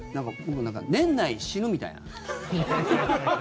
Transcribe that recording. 「年内、死ぬ」みたいな。